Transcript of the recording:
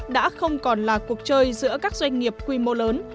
đã không còn là cuộc chơi giữa các doanh nghiệp quy mô lớn